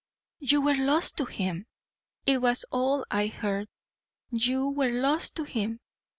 "YOU were lost to him! It was all I heard. YOU were lost to him!